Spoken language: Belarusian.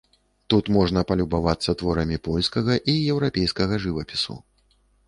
Тут можна палюбавацца творамі польскага і еўрапейскага жывапісу.